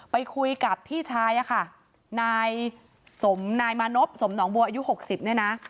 ไปคุยกับพี่ชายอะค่ะนายสมนายมานพสมหนองบัวอายุ๖๐เนี่ยนะ